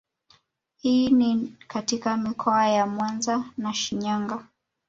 Hii ni katika mikoa ya Mwanza na Shinyanga